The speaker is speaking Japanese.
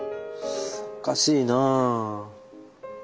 おかしいなあ。